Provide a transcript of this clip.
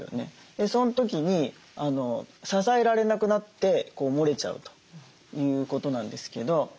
その時に支えられなくなってもれちゃうということなんですけど。